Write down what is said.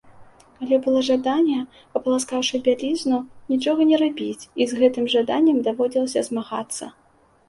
Але было жаданне, папаласкаўшы бялізну, нічога не рабіць, і з гэтым жаданнем даводзілася змагацца.